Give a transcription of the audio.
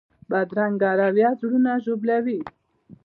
بدرنګه رویه زړونه ژوبلوي